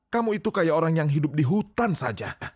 kamu itu kayak orang yang hidup di hutan saja